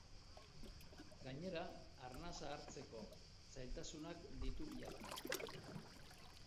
Gainera, arnasa hartzkeo zailtasunak ditu jada.